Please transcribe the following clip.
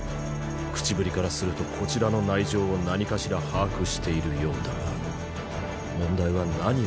口ぶりからするとこちらの内情を何かしら把握しているようだが。